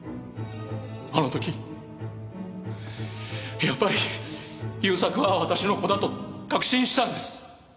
あの時やっぱり勇作は私の子だと確信したんです。